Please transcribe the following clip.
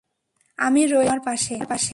আমি রয়েছি তোমার পাশে।